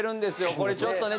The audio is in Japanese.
これちょっとね